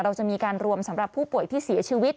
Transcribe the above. เราจะมีการรวมสำหรับผู้ป่วยที่เสียชีวิต